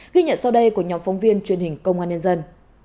ghi nhận sau đây của nhóm phóng viên truyền hình công an nhân dân